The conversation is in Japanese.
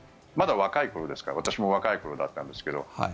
まだ若い頃ですから私も若い頃だったんですけど。